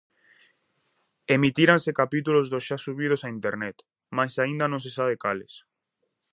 Emitiranse capítulos dos xa subidos a Internet, mais aínda non se sabe cales.